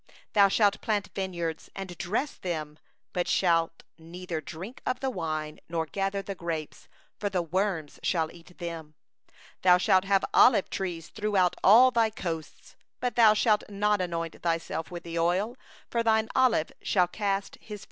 39Thou shalt plant vineyards and dress them, but thou shalt neither drink of the wine, nor gather the grapes; for the worm shall eat them. 40Thou shalt have olive trees throughout all thy borders, but thou shalt not anoint thyself with the oil; for thine olives shall drop off.